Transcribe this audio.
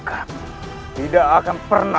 kau akan datang kesini